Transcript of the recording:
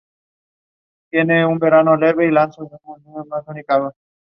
De entre las más famosas se encuentran;